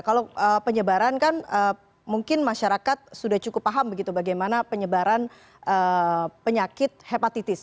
kalau penyebaran kan mungkin masyarakat sudah cukup paham begitu bagaimana penyebaran penyakit hepatitis